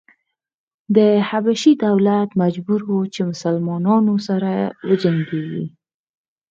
د حبشې دولت مجبور و چې مسلنانو سره وجنګېږي.